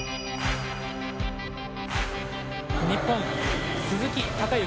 日本、鈴木孝幸